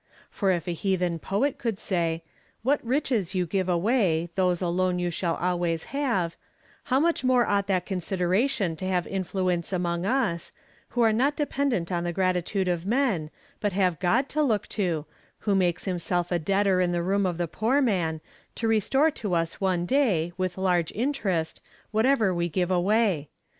For if a heathen poet could say —" What riches you give away, those alone you shall always have,'' how much more ought that consideration to have influence among us, who are not dependent on the gratitude of men, but have God to look to, who makes himself a debtor in the room of the poor man, to restore to us one day, with large interest, whatever we give away?